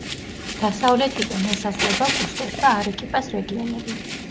დასავლეთიდან ესაზღვრება კუსკოს და არეკიპას რეგიონები.